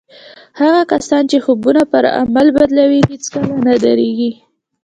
هغه کسان چې خوبونه پر عمل بدلوي هېڅکله نه درېږي